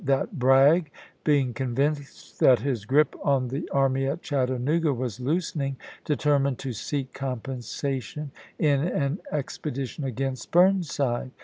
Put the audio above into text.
that Bragg, being convinced that his grip on the army at Chattanooga was loosening, determined to seek compensation in an expedition against Burn side.